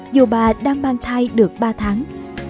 dù bà đang mang thai được ba tháng